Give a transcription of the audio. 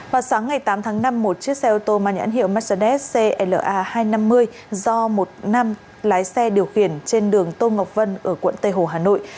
vào sáng ngày tám tháng năm một chiếc xe ô tô mang nhãn hiệu mercedes cla hai trăm năm mươi do một nam lái xe điều khiển trên đường tô ngọc vân ở quận tây hồ hà nội